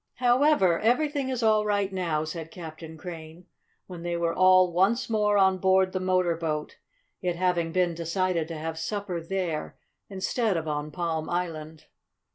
"However, everything is all right now," said Captain Crane, when they were all once more on board the motor boat, it having been decided to have supper there instead of on Palm Island.